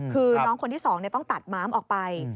คือน้องคนที่สองเนี่ยต้องตัดม้ามออกไป